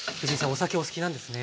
お酒お好きなんですね。